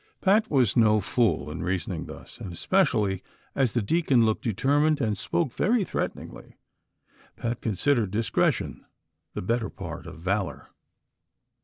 Pat was no fool in reasoning thus •, and especially as the deacon looked determined and spoke very theateningly, Pat considered discretion the better part of valor.